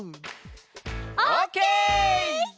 オッケー！